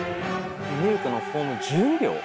ミルクのフォーム１２秒